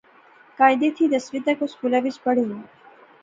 قاعدے تھی دسویں تک او سکولے وچ پڑھںے ہوئے